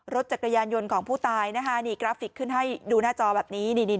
รถจักรยานยนต์ของผู้ตายนะคะนี่กราฟิกขึ้นให้ดูหน้าจอแบบนี้